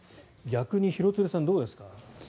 逆に廣津留さんどうですか？